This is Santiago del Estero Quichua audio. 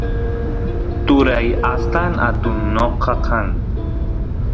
turay astan atun noqa kan